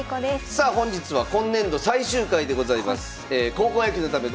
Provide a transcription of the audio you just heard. さあ本日は今年度最終回でございます。